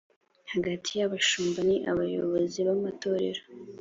hagati y abashumba n abayobozi b amatorero